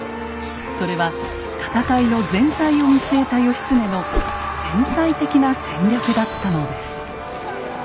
それは戦いの全体を見据えた義経の天才的な戦略だったのです。